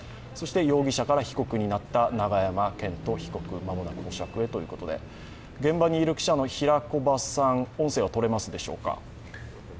容疑者から被告になった永山絢斗被告、間もなく保釈へということで、現場にいる記者の平木場さん音声はとれますでしょうか。